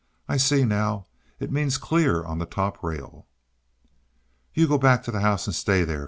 "I see now it means clear on the top rail." "You go back to the house and stay there!"